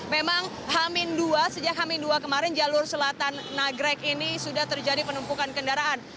memang hamin dua sejak hamin dua kemarin jalur selatan nagrek ini sudah terjadi penumpukan kendaraan